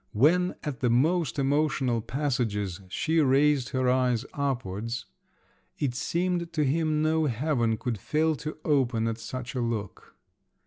When, at the most emotional passages, she raised her eyes upwards—it seemed to him no heaven could fail to open at such a look!